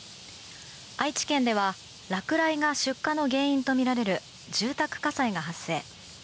愛知県では落雷が出火の原因とみられる住宅火災が発生。